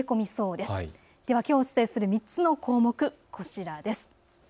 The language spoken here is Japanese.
では、きょうお伝えする３つの項目こちらです。